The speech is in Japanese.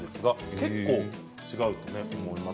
結構違うと思います。